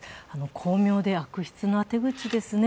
巧妙で悪質な手口ですね。